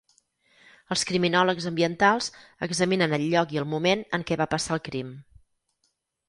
Els criminòlegs ambientals examinen el lloc i el moment en què va passar el crim.